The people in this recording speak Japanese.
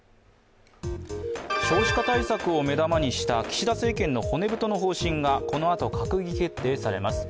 少子化対策を目玉にした岸田政権の骨太の方針がこのあと閣議決定されます。